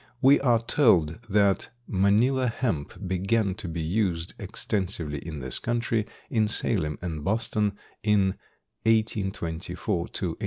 We are told that "Manila hemp began to be used extensively in this country, in Salem and Boston, in 1824 to 1827."